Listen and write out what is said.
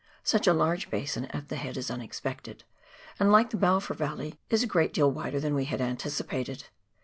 Such a large basin at the head is unexpected, and like the Balfour valley, is a great deal wider than we had anticipated.